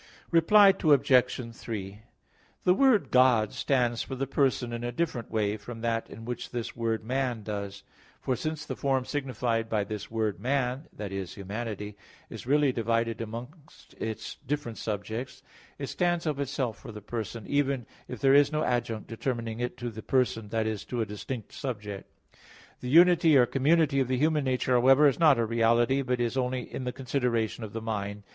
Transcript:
Reply Obj. 3: The word "God" stands for the person in a different way from that in which this word "man" does; for since the form signified by this word "man" that is, humanity is really divided among its different subjects, it stands of itself for the person, even if there is no adjunct determining it to the person that is, to a distinct subject. The unity or community of the human nature, however, is not a reality, but is only in the consideration of the mind.